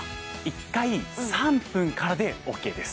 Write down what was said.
１回３分からでＯＫです